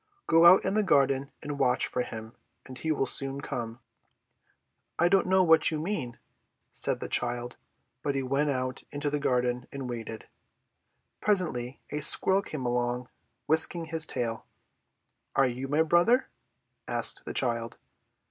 Go out in the garden and watch for him, and he will soon come." "I don't know what you mean!" said the child; but he went out into the garden and waited. Presently a squirrel came along, whisking his tail. "Are you my brother?" asked the child.